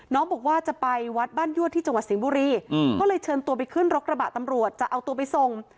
บอกว่าจะไปวัดบ้านยวดที่จังหวัดสิงห์บุรีก็เลยเชิญตัวไปขึ้นรถกระบะตำรวจจะเอาตัวไปส่ง